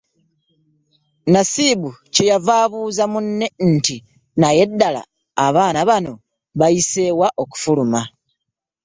Nasibu kye yava abuuza munne nti naye ddala abaana bano baayise wa okufuluma?